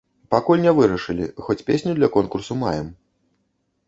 Пакуль не вырашылі, хоць песню для конкурсу маем.